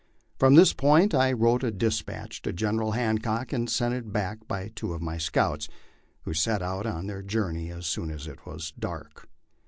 From this point I wrote a despatch to General Hancock and sent it back by two of my scouts, who set out on their journey as soon as it was dark.